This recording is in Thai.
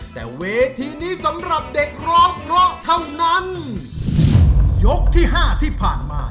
แต่เวทีนี้สำหรับเด็กร้องเพราะเท่านั้นยกที่ห้าที่ผ่านมา